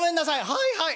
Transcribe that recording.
「はいはい。